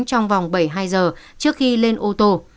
trong vòng bảy mươi hai giờ trước khi lên ô tô